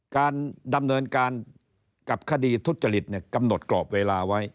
การดำเนินการกับคดีทุจริตกำหนดกรอบเวลาไว้